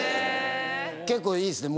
結構いいですね。